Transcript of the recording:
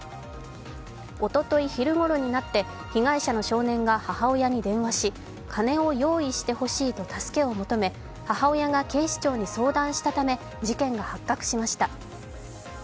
おととい昼ごろになって被害者の少年が母親に電話をし金を用意してほしいと助けを求め、母親が警視庁に相談したため事件が発覚しました。